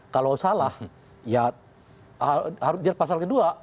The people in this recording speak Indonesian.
kalau salah ya harus dilihat pasal kedua